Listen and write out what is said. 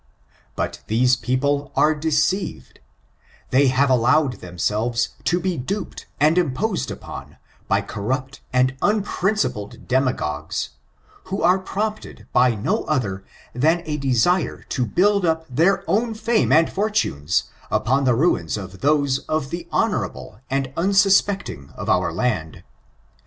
But these peo ple are deceived; they have allowed themselves to be duped and imposed upon by corrupt and unprin cipled demagogues, who are prompted by no other than a desire to build up their own fame and for tunes upon the ruins of those of the honorable and unsuspecting of our land.